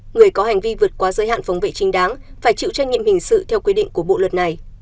người có hành vi vượt qua giới hạn phòng vệ chính đáng phải chịu trách nhiệm hình sự theo quy định của bộ luật này